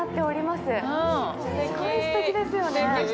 すごいすてきですよね。